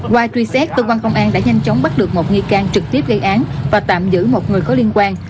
qua truy xét cơ quan công an đã nhanh chóng bắt được một nghi can trực tiếp gây án và tạm giữ một người có liên quan